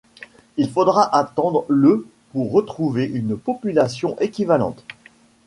Il faudra attendre le pour retrouver une population équivalente.